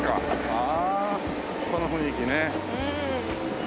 ああこの雰囲気ね。